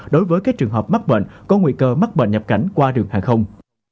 đối với các trường hợp mắc bệnh có nguy cơ mắc bệnh nhập cảnh qua đường hàng không